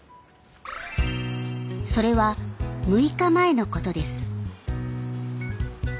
それは６日前のことです。